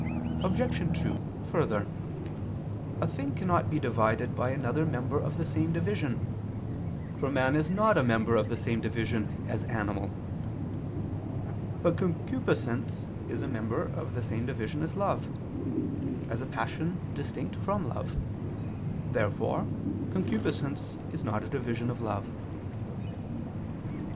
Obj. 2: Further, a thing cannot be divided by another member of the same division; for man is not a member of the same division as "animal." But concupiscence is a member of the same division as love, as a passion distinct from love. Therefore concupiscence is not a division of love.